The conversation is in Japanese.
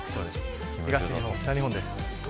東日本、北日本です。